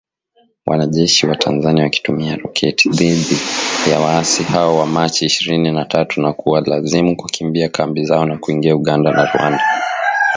Wanajeshi wa Tanzania wakitumia roketi dhidi ya waasi hao wa Machi ishirini na tatu na kuwalazimu kukimbia kambi zao na kuingia Uganda na Rwanda